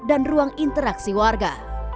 dan ruang interaksi warga